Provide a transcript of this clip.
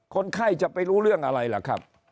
คนไข้จะไปรู้เรื่องอะไรล่ะครับ